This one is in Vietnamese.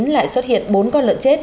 lại xuất hiện bốn con lợn chết